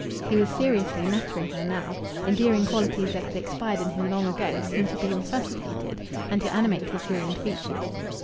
He was seriously nattering her now. Endearing qualities that had expired in him long ago seemed to be resuscitated and to animate his ruined features.